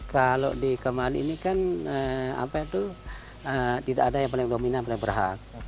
kalau di kemari ini kan tidak ada yang paling dominan paling berhak